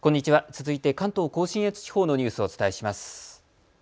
続いて関東甲信越地方のニュースをお伝えします。